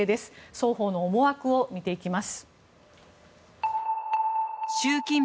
双方の思惑を見ていきます。